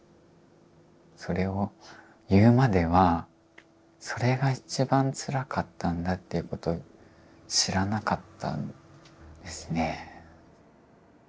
それを言うまではそれが一番つらかったんだっていうことを知らなかったんですね。